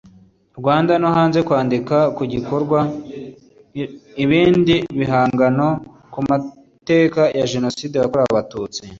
Rwanda no hanze kwandika no gukora ibindi bihangano ku mateka ya Jenoside yakorewe Abatutsi